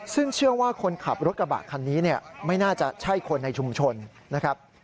ซึ่งเชื่อว่าคนขับรถกระบะคันนี้เนี่ยไม่น่าจะใช่คนในชุมชนนะครับ